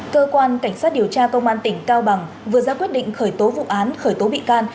cơ quan cảnh sát điều tra công an tỉnh cao bằng vừa ra quyết định khởi tố vụ án khởi tố bị can